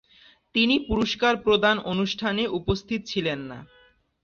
তিনি পুরস্কার প্রদান অনুষ্ঠানে উপস্থিত ছিলেন না।